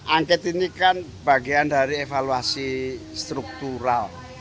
angket ini kan bagian dari evaluasi struktural